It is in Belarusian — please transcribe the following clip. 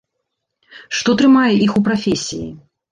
Што трымае іх у прафесіі?